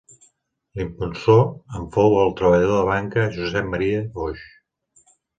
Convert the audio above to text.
L'impulsor en fou el treballador de banca Josep Maria Foix.